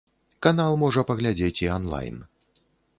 Канал можа паглядзець і анлайн.